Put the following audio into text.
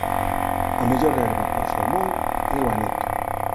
a mellor herba para o salmón é o aneto